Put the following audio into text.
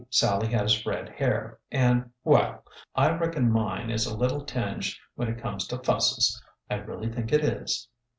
Sal lie has red hair, and — well — I reckon mine is a little tinged when it comes to fusses ! I really think it is."